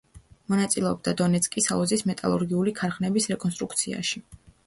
მონაწილეობდა დონეცკის აუზის მეტალურგიული ქარხნების რეკონსტრუქციაში.